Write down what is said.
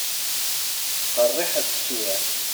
Qerriḥet teswiεt.